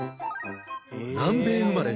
南米生まれ